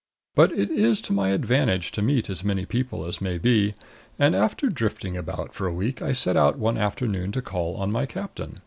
But it is to my advantage to meet as many people as may be, and after drifting about for a week I set out one afternoon to call on my captain.